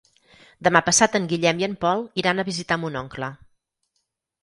Demà passat en Guillem i en Pol iran a visitar mon oncle.